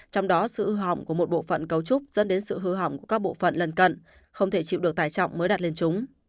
trong đó sự hư hỏng của một bộ phận cấu trúc dẫn đến sự hư hỏng của các bộ phận lần cận không thể chịu được tải trọng mới đặt lên chúng